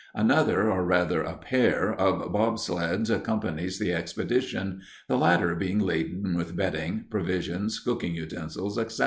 Another, or rather, a pair of bobsleds, accompanies the expedition, the latter being laden with bedding, provisions, cooking utensils, etc.